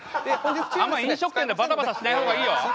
あんま飲食店でバタバタしない方がいいよ。